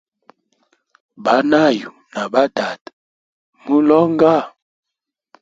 Banayu na ba tata muli onga?